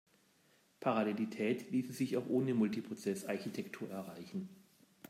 Parallelität ließe sich auch ohne Multiprozess-Architektur erreichen.